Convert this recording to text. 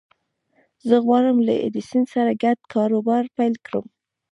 زه غواړم له ايډېسن سره ګډ کاروبار پيل کړم.